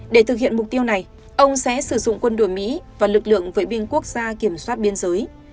để thực hiện mục tiêu này ông sẽ sử dụng quân đội mỹ và lực lượng vệ binh quốc gia kiểm soát biên giới